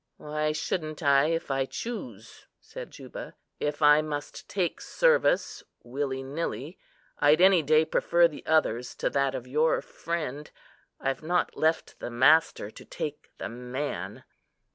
"Why shouldn't I, if I choose?" said Juba. "If I must take service, willy nilly, I'd any day prefer the other's to that of your friend. I've not left the master to take the man."